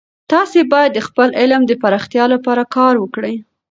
تاسې باید د خپل علم د پراختیا لپاره کار وکړئ.